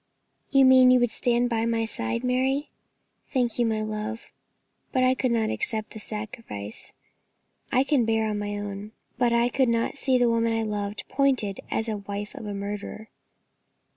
"You mean you would stand by my side, Mary? Thank you, my love, but I could not accept the sacrifice. I can bear my own lot, but I could not see the woman I loved pointed at as the wife of a murderer."